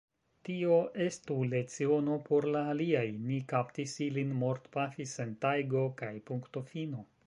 Tio estu leciono por la aliaj: ni kaptis ilin, mortpafis en tajgo, kaj punktofino!